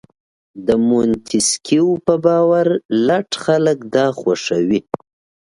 د مونتیسکیو په باور لټ خلک دا خوښوي.